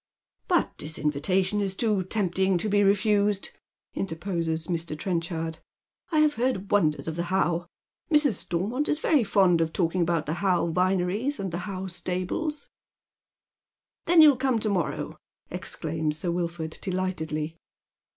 " But this invitation is too tempting to be refused," interposes Mr. Trenchard. " I have heard wonders of the How. Mrs. Stormont is very fond of talking about the How vineries and tho How stables." "Then you'll come to morrow," exclaims Sir Wilford, delightedly.